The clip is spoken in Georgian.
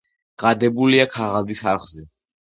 გადებულია ქაღალდის არხზე.